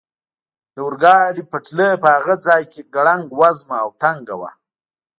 د اورګاډي پټلۍ په هغه ځای کې ګړنګ وزمه او تنګه وه.